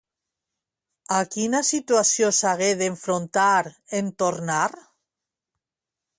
A quina situació s'hagué d'enfrontar en tornar?